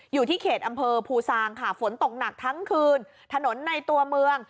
อยู่ที่เขตอำเภอภูซางค่ะฝนตกหนักทั้งคืนถนนในตัวเมือง